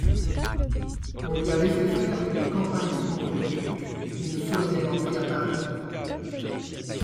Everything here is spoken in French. On lui avait fait faire une campagne contre les Turcs, une solennelle entrée à Paris.